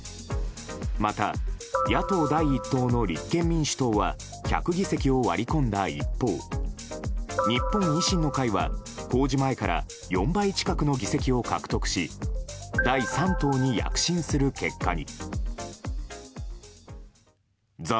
また、野党第１党の立憲民主党は１００議席を割り込んだ一方日本維新の会は公示前から４倍近くの議席を獲得し第３党に躍進する結果に。